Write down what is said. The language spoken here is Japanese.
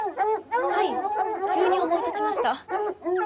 はい急に思い立ちました。